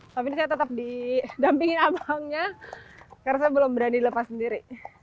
tapi ini saya tetap didampingi abangnya karena saya belum berani lepas sendiri